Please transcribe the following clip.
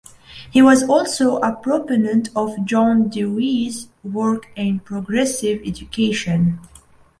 He was also a proponent of John Dewey's work in progressive education.